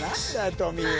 トミーは・